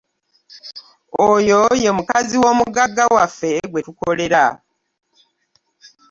Oyo y'omukazi w'omuggaga waffe gwe tukolera.